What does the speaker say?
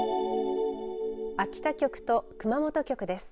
秋田局と熊本局です。